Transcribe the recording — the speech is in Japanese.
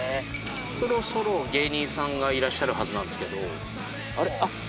そろそろ芸人さんがいらっしゃるはずなんですけど。